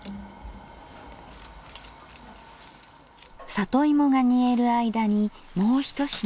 里芋が煮える間にもう一品。